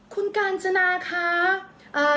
คุณกาญจนาคะ